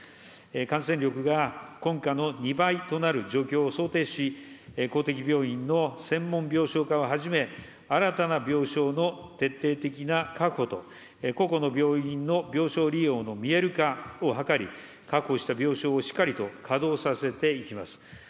感染力が今夏の２倍となる状況を想定し、公的病院の専門病床化をはじめ、新たな病床の徹底的な確保と、個々の病院の病床利用の見える化を図り、確保した病床をしっかりと稼働させていきます。